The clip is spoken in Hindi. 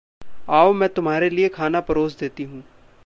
आओ मैं तुम्हारे लिए खाना परोस देती हूँ।